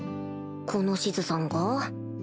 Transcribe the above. このシズさんが？